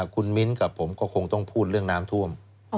คุณมิ้นกับผมก็คงต้องพูดเรื่องน้ำท่วม